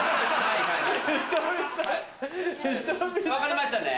分かりましたね？